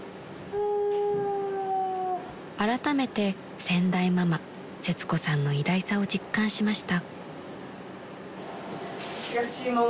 ［あらためて先代ママせつこさんの偉大さを実感しました］